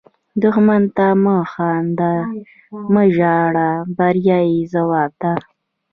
دښمن ته مه خاندئ، مه وژاړئ – بریا یې ځواب ده